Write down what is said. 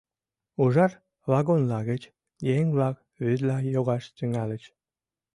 Ужар вагонла гыч еҥ-влак вӱдла йогаш тӱҥальыч.